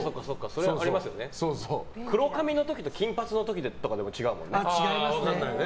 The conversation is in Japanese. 黒髪の時と金髪の時とかでも違うもんね。